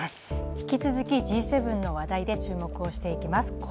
引き続きＧ７の話題で注目をしていきます。